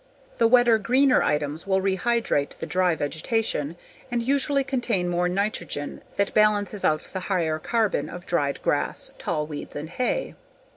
The wetter, greener items will rehydrate the dry vegetation and usually contain more nitrogen that balances out the higher carbon of dried grass, tall weeds, and hay.